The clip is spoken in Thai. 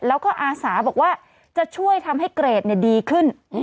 แล้วก็อาสาบอกว่าจะช่วยทำให้เกรดดีขึ้น